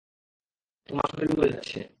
তোমার শরীর মরে যাচ্ছে।